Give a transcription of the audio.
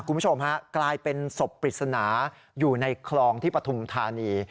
คุณผู้ชมฮะกลายเป็นศพปริศนาอยู่ในคลองที่ปฐุมธานี